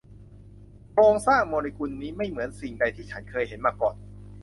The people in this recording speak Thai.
โครงสร้างโมเลกุลนี้ไม่เหมือนสิ่งใดที่ฉันเคยเห็นมาก่อน